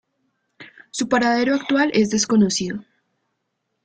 Su paradero actual es desconocido.